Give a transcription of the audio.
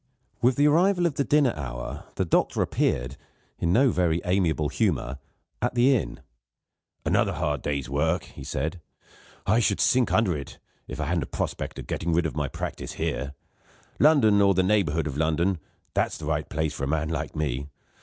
With the arrival of the dinner hour the doctor appeared, in no very amiable humour, at the inn. "Another hard day's work," he said; "I should sink under it, if I hadn't a prospect of getting rid of my practice here. London or the neighbourhood of London there's the right place for a man like Me.